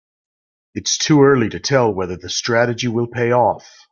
Its too early to tell whether the strategy will pay off.